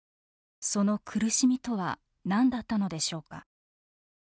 その苦しみとは何だったのでしょうか。